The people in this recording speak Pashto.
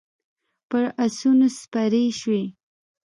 پر اسونو سپارې شوې.